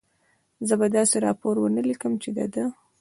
زه به داسې راپور و نه لیکم، چې د ده.